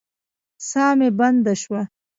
ساه مې بنده شوه.